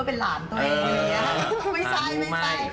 สุศรีค่ะ